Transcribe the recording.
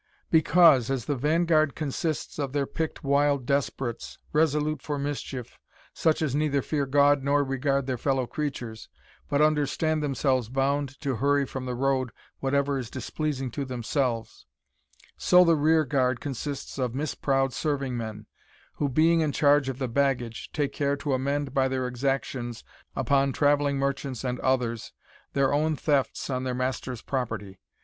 "Because, as the vanguard consists of their picked wild desperates, resolute for mischief, such as neither fear God nor regard their fellow creatures, but understand themselves bound to hurry from the road whatever is displeasing to themselves, so the rear guard consists of misproud serving men, who, being in charge of the baggage, take care to amend by their exactions upon travelling merchants and others, their own thefts on their master's property.